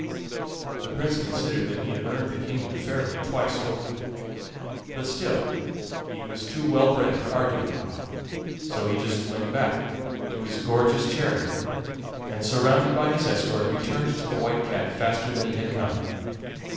The Prince considered that he had earned the kingdom fairly twice over but still he was too well bred to argue about it, so he just went back to his gorgeous chariot, and, surrounded by his escort, returned to the White Cat faster than he had come.